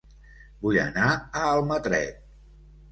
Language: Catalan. Vull anar a Almatret